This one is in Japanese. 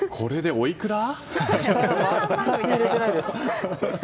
力、全く入れてないです。